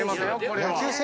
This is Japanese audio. これは。